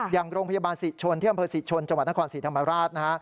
อย่างโรงพยาบาลศิษย์ชนที่อำเภอศิษย์ชนจังหวัดนครสีธรรมราช